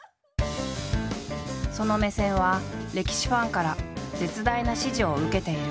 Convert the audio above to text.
その目線は歴史ファンから絶大な支持を受けている。